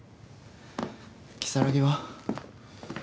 如月は？